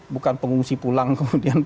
bukan pengungsi pulang kemudian